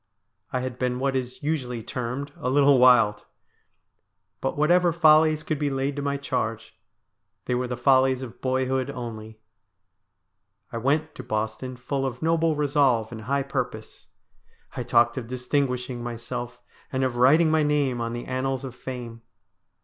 I had been what is usually termed ' a little wild.' But whatever follies could be laid to my charge, they were the follies of boyhood only. I went to Boston full of noble resolve and high purpose. I talked of distinguishing myself, and of writing my name on the annals of fame.